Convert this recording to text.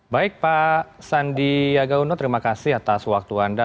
baik pak sandi yagauno terima kasih atas waktu anda